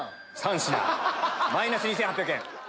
マイナス２８００円。